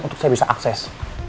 untuk saya bisa akses